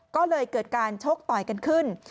ก็เลยเกิดการชกต่อยกันขึ้น